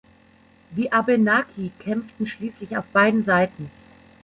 Die Abenaki kämpften schließlich auf beiden Seiten.